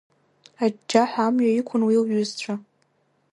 Аџьџьаҳәа амҩа иқәын уи лҩызцәа.